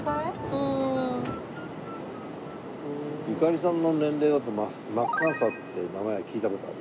うん。ゆかりさんの年齢だとマッカーサーって名前は聞いた事ある？